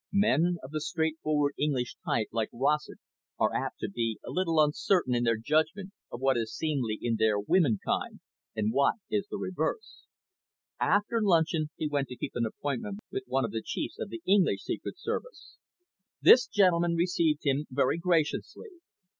Men of the straightforward English type like Rossett are apt to be a little uncertain in their judgment of what is seemly in their womenkind, and what is the reverse. After luncheon, he went to keep an appointment with one of the chiefs of the English Secret Service. This gentleman received him very graciously.